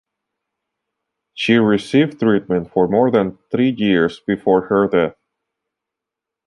She received treatment for more than three years before her death.